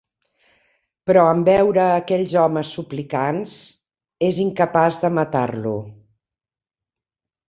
Però en veure aquells homes suplicants, és incapaç de matar-lo.